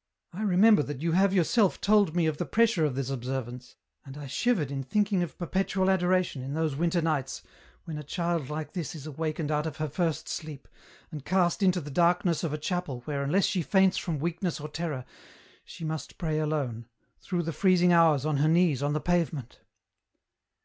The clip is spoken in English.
" I remember that you have yourself told me of the pressure of this observance, and I shivered in thinking of perpetual Adoration, in those winter nights, when a child like this is awakened out of her first sleep, and cast into the darkness of a chapel where unless she faints from weakness or terror, she must pray alone, through the freezing hours on her knees on the pavement.